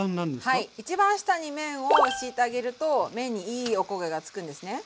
はい一番下に麺を敷いてあげると麺にいいおこげが付くんですね。